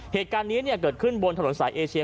เหตุการณ์นี้เกิดขึ้นบนถนนสายเอเชีย